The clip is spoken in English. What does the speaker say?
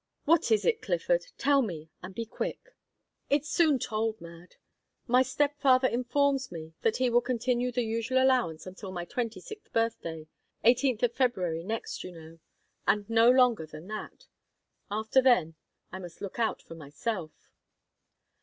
"What is it, Clifford? Tell me, and be quick." "It's soon told, Mad. My step father informs me that he will continue the usual allowance until my twenty sixth birthday eighteenth of February next, you know and no longer than that. After then, I must look out for myself."